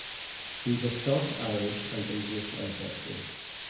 He's of Scotch-Irish and English ancestry.